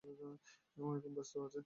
ও এখন ব্যস্ত আছে।